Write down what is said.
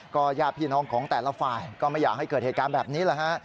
ญาติพี่น้องของแต่ละฝ่ายก็ไม่อยากให้เกิดเหตุการณ์แบบนี้แหละฮะ